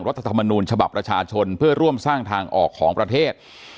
ธรรมนูญฉบับประชาชนเพื่อร่วมสร้างทางออกของประเทศ